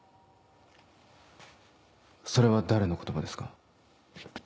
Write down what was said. それは誰の言葉ですか？